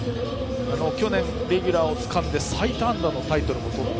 去年、レギュラーをつかみ最多安打のタイトルもとった。